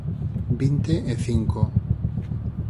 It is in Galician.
vinte e cinco.